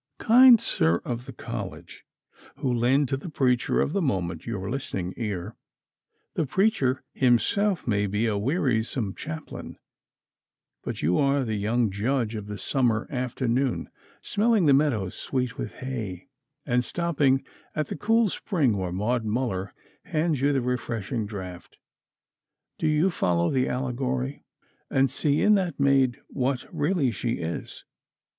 Kind sir of the college, who lend to the preacher of the moment your listening ear, the preacher himself may be a wearisome chaplain, but you are the young judge of the summer afternoon, smelling the meadows sweet with hay, and stopping at the cool spring where Maud Muller hands you the refreshing draught. Do you follow the allegory, and see in that maid what really she is?